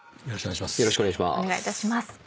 よろしくお願いします。